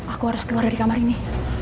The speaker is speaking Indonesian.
aku harus keluar dari kamar ini